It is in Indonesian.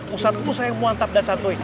usah usah yang muantab dan santui